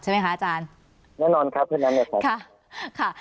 ใช่ไหมคะอาจารย์แน่นอนครับเพราะฉะนั้น